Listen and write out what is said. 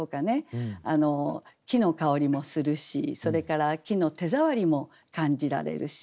木の香りもするしそれから木の手触りも感じられるし。